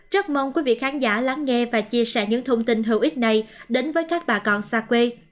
rất mong quý vị khán giả lắng nghe và chia sẻ những thông tin hữu ích này đến với các bà con xa quê